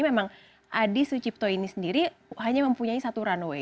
memang adi sucipto ini sendiri hanya mempunyai satu runway